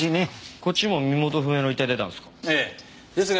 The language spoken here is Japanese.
こっちも身元不明の遺体出たんですか？